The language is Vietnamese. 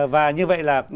và như vậy là